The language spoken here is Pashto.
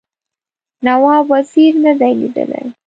نواب وزیر نه دی لیدلی.